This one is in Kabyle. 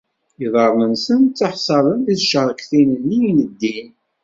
Iḍarren-nsen ttaḥṣalen di tcerktin nni i neddin.